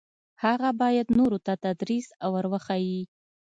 هغه باید نورو ته تدریس او ور وښيي.